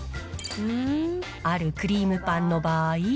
あるクリームパンの場合。